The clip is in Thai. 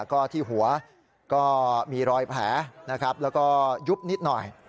ก็ที่หัวก็มีรอยแผลนะครับแล้วก็ยุบนิดหน่อย